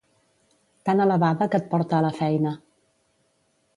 Tan elevada que et porta a la feina.